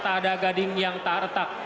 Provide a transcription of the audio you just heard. tak ada gading yang tak retak